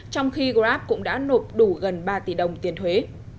trong khi grab cũng đã nộp đủ gần ba tỷ đồng tiền thuế